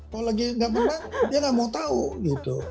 kalau lagi gak menang dia gak mau tahu